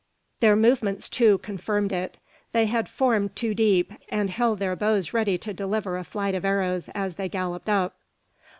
Their movements, too, confirmed it. They had formed two deep, and held their bows ready to deliver a flight of arrows as they galloped up.